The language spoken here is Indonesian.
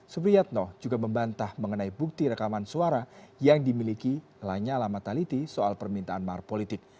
supriyatno juga membantah mengenai bukti rekaman suara yang dimiliki lanyala mataliti soal permintaan mahar politik